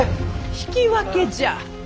引き分けじゃ！